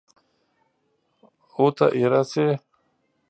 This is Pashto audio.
اوته اېره شې!